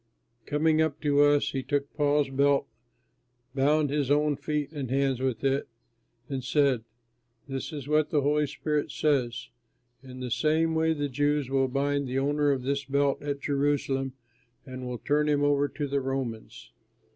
Coming up to us, he took Paul's belt, bound his own feet and hands with it, and said: "This is what the Holy Spirit says, 'In the same way the Jews will bind the owner of this belt at Jerusalem and will turn him over to the Romans.'"